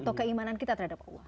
atau keimanan kita terhadap allah